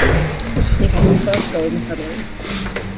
This was Newcastle's first goal in the Premier League.